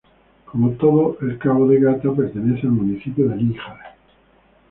Como todo el cabo de Gata, pertenece al municipio de Níjar.